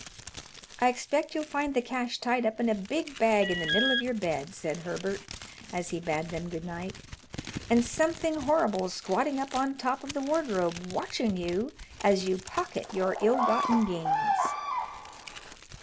"I expect you'll find the cash tied up in a big bag in the middle of your bed," said Herbert, as he bade them good night, "and something horrible squatting up on top of the wardrobe watching you as you pocket your ill gotten gains."